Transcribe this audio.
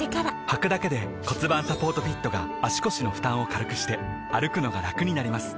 はくだけで骨盤サポートフィットが腰の負担を軽くして歩くのがラクになります